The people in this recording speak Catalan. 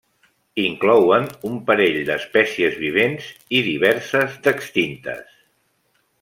Inclouen un parell d'espècies vivents i diverses d'extintes.